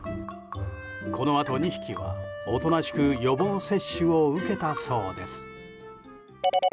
このあと２匹は、おとなしく予防接種を受けたそうです。